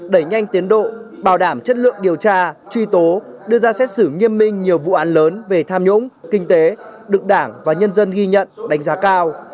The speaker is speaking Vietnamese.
đẩy nhanh tiến độ bảo đảm chất lượng điều tra truy tố đưa ra xét xử nghiêm minh nhiều vụ án lớn về tham nhũng kinh tế được đảng và nhân dân ghi nhận đánh giá cao